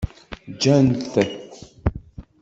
Ǧǧan-t.